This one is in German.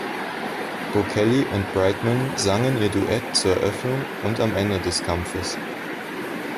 Bocelli und Brightman sangen ihr Duett zur Eröffnung und am Ende des Kampfes.